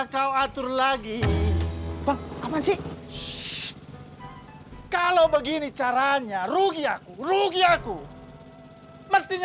kan lagi didandanin ntar kalau ngomong